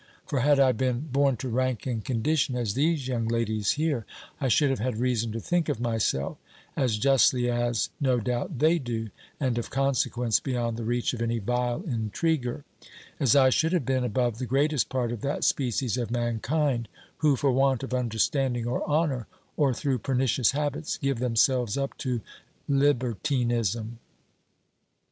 For, had I been born to rank and condition, as these young ladies here, I should have had reason to think of myself, as justly as, no doubt, they do, and, of consequence, beyond the reach of any vile intriguer; as I should have been above the greatest part of that species of mankind, who, for want of understanding or honour, or through pernicious habits, give themselves up to libertinism."